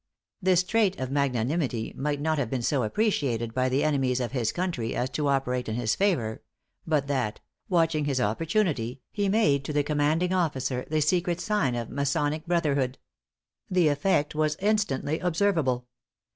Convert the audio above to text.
This trait of magnanimity might not have been so appreciated by the enemies of his country, as to operate in his favor, but that watching his opportunity, he made to the commanding officer the secret sign of masonic brotherhood. The effect was instantly observable.